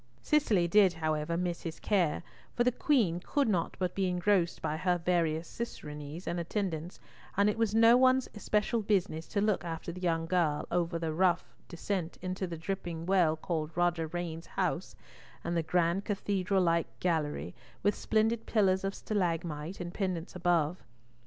Cicely did, however, miss his care, for the Queen could not but be engrossed by her various cicerones and attendants, and it was no one's especial business to look after the young girl over the rough descent to the dripping well called Roger Rain's House, and the grand cathedral like gallery, with splendid pillars of stalagmite, and pendants above.